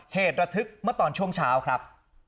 เหตุระทึกเมื่อตอนช่วงเช้าครับ